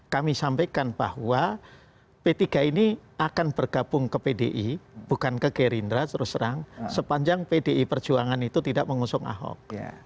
kami sampaikan bahwa p tiga ini akan bergabung ke pdi bukan ke gerindra terus terang sepanjang pdi perjuangan itu tidak mengusung ahok